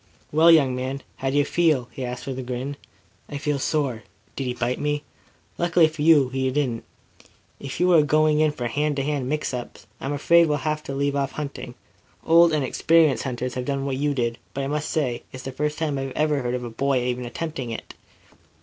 "Well, young man, how do you feel?" he asked, with a grin. "I feel sore. Did he bite me?" "Luckily for you, he didn't. If you are going in for hand to hand mix ups I'm afraid we shall have to leave off hunting. Old and experienced hunters have done what you did, but I must say it's the first time I ever heard of a boy even attempting it."